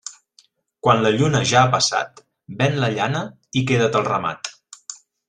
Quan la lluna ja ha passat, ven la llana i queda't el ramat.